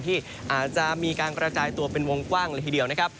ที่อาจจะมีการกระจายตัวเป็นวงกว้างเลยทีเดียวนะครับ